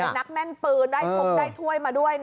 เป็นนักแน่นปืนได้ถ้วยมาด้วย